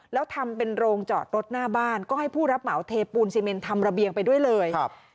แล้วทำเป็นโรงจอดรถหน้าบ้านก็ให้ผู้รับเหมาเทปูนซีเมนทำระเบียงไปด้วยเลยครับ